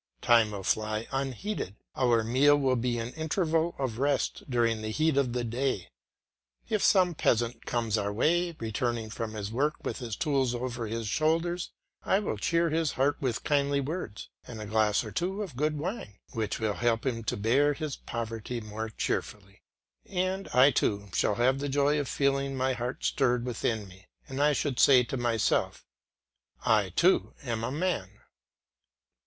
Time will fly unheeded, our meal will be an interval of rest during the heat of the day. If some peasant comes our way, returning from his work with his tools over his shoulder, I will cheer his heart with kindly words, and a glass or two of good wine, which will help him to bear his poverty more cheerfully; and I too shall have the joy of feeling my heart stirred within me, and I should say to myself I too am a man.